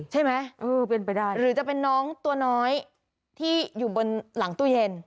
เฮ้ยใช่ไหมหรือจะเป็นน้องตัวน้อยที่อยู่บนหลังตู้เย็น